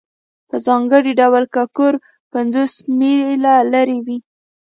په ځانګړي ډول که کور پنځوس میله لرې وي